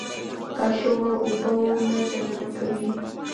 قاچوغه اوبه ور دننه کوي.